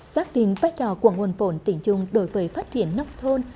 xác định vai trò của nguồn vốn tỉnh chung đối với phát triển nông thôn